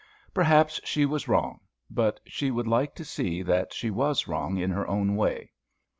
Perhaps she was wrong, but she would like to see that she was wrong in her own way.